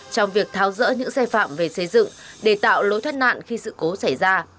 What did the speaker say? trong việc tháo rỡ những xe phạm về xây dựng để tạo lối thoát nạn khi sự cố xảy ra